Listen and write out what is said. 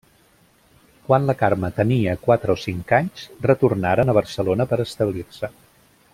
Quan la Carme tenia quatre o cinc anys retornaren a Barcelona per establir-se.